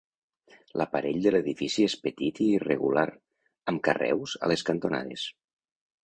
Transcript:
L'aparell de l'edifici és petit i irregular, amb carreus a les cantonades.